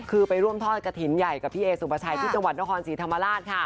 คือไปร่วมทอดกระถิ่นใหญ่กับพี่เอสุปชัยที่จังหวัดนครศรีธรรมราชค่ะ